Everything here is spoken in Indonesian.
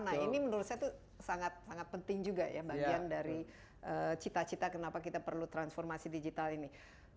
nah ini menurut saya itu sangat sangat penting juga ya bagian dari cita cita kenapa kita perlu transformasi digital ini